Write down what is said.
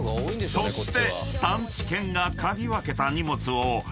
［そして］